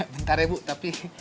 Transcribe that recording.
bentar ya bu tapi